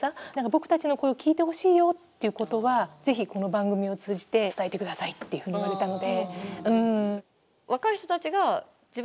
僕たちの声を聞いてほしいよっていうことはぜひ、この番組を通じて伝えてくださいっていうふうに言われたので。